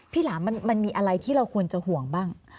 หลามมันมีอะไรที่เราควรจะห่วงบ้าง